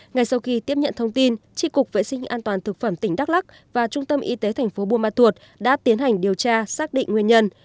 ngay sau khi tiếp nhận thông tin tri cục vệ sinh an toàn thực phẩm tỉnh đắk lắc và trung tâm y tế thành phố buôn ma thuột đã tiến hành điều tra xác định nguyên nhân